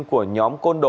của nhóm lê minh hiếu